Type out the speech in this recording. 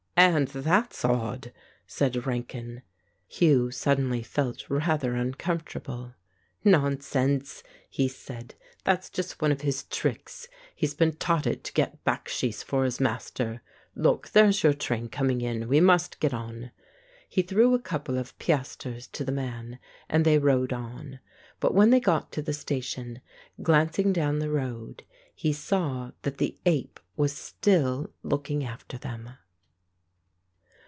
"And that's odd," said Rankin. Hugh suddenly felt rather uncomfortable. "Nonsense!" he said. "That's just one of his tricks. He's been taught it to get baksheesh for his master. Look, there's your train coming in. We must get on." He threw a couple of piastres to the man, and they rode on. But when they got to the station, glancing down the road, he saw that the ape was still looking after them.